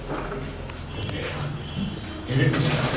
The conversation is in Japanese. よくねえよえれえことになる。